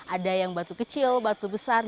ada yang batu kecil batu besar